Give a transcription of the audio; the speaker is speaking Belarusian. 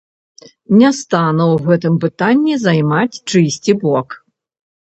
Не стану ў гэтым пытанні займаць чыйсьці бок.